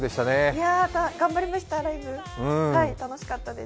いや、頑張りましたライブ楽しかったです。